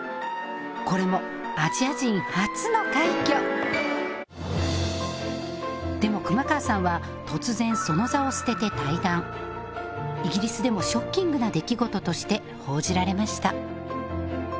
これもアジア人初の快挙でも熊川さんは突然その座を捨てて退団イギリスでもショッキングな出来事として報じられました